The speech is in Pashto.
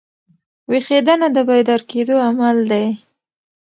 ویښېدنه د بیدار کېدو عمل دئ.